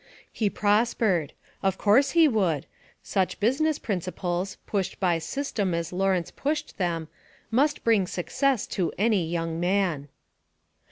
He prospered of course he would. Such business principles, pushed by system as Lawrence pushed them, must bring success to any young man.